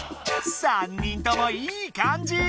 ３人ともいいかんじ！